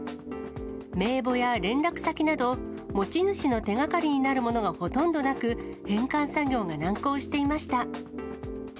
名簿や連絡先など、持ち主の手がかりになるものがほとんどなく、返還作業が難航していました。